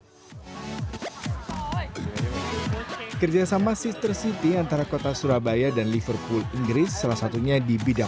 hai kerjasama sister city antara kota surabaya dan liverpool inggris salah satunya di bidang